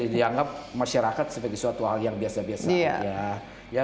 dianggap masyarakat sebagai suatu hal yang biasa biasa saja